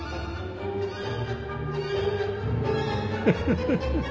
フフフフフ。